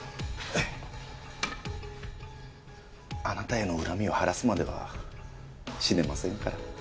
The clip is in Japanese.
あなたへの恨みを晴らすまでは死ねませんから。